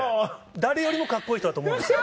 誰よりもカッコいい人だと思うんです。